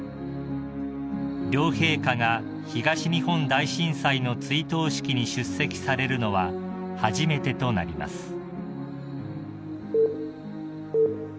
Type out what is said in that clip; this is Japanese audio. ［両陛下が東日本大震災の追悼式に出席されるのは初めてとなります］